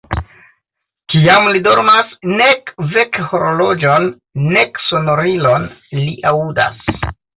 Kiam li dormas, nek vekhorloĝon, nek sonorilon li aŭdas.